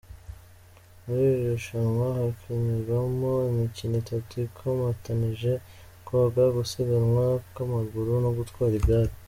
Muri iri rushanwa hakinirwagamo imikino itatu ikomatanije: koga, gusiganwa ku maguru no gutwara igare.